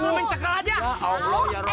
lu main cekal saja